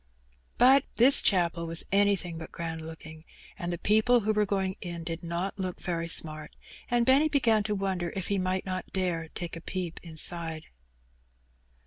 But his chapel was anything but grand looking, and the people A6 were going in did not look very smart, and Benny began o wonder if he might not dare take a peep inside.